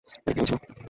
এটা কীভাবে ছিল?